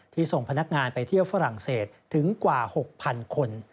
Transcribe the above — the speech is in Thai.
ส่งพนักงานไปเที่ยวฝรั่งเศสถึงกว่า๖๐๐๐คน